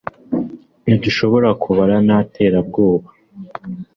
Ntidushobora kubara nta terabwoba